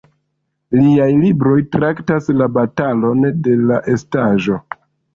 Liaj libroj traktas la "batalon de la estaĵo".